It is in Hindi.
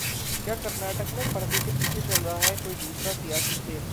क्या कर्नाटक में पर्दे के पीछे चल रहा है कोई दूसरा सियासी खेल